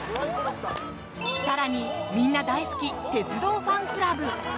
更に、みんな大好き鉄道ファンクラブ。